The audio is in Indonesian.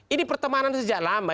ini pertemanan sejak lama